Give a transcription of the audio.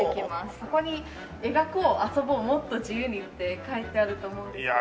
ここに「描こう、遊ぼう、もっと自由に。」って書いてあると思うんですけど。